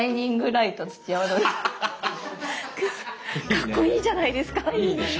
かっこいいじゃないですか！